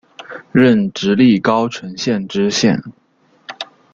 任直隶高淳县知县。